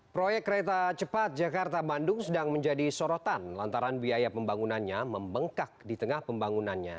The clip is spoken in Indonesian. proyek kereta cepat jakarta bandung sedang menjadi sorotan lantaran biaya pembangunannya membengkak di tengah pembangunannya